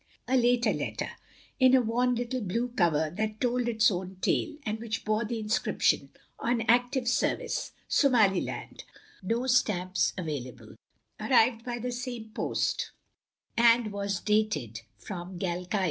" A later letter, — ^in a worn little blue cover that told its own tale, and which bore the inscrip tion On active service, Somaliland, no stamps available,'' — ^arrived by the same post, and was dated from Galkayu.